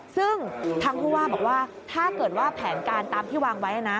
ซึ่งทั้งผู้ว่าถ้าเกิดว่าแผนการตามที่วางไว้